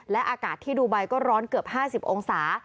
และอากาศที่ดูไบก็ร้อนเกือบ๕๐องศา